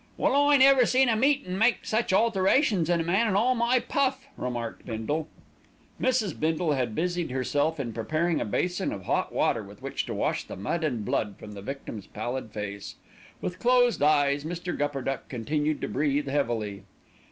"Well, I never seen a meetin' make such alterations in a man in all my puff," remarked Bindle. Mrs. Bindle had busied herself in preparing a basin of hot water with which to wash the mud and blood from the victim's pallid face. With closed eyes Mr. Gupperduck continued to breathe heavily.